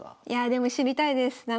いやあでも知りたいです。